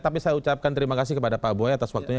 tapi saya ucapkan terima kasih kepada pak boy atas waktunya